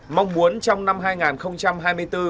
mong muốn trong năm hai nghìn hai mươi bốn